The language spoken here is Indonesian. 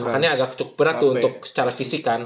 makanya agak cukup berat tuh untuk secara fisikan